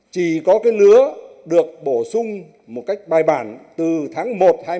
chỉ có cái lứa được bổ sung một cách bài bản từ tháng một hai nghìn một mươi bảy